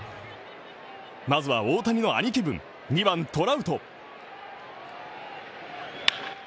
まずは大谷の兄貴分２番・トラウト。